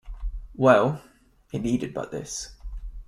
Well, it needed but this.